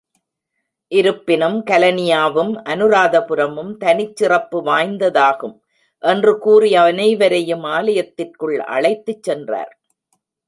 இருப்பினும் கலனியாவும், அனுராதபுரமும் தனிச் சிறப்பு வாய்ந்ததாகும்! என்று கூறி அனைவரையும் ஆலயத்திற்குள் அழைத்துச் சென்றார்.